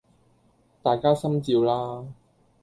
大家心照啦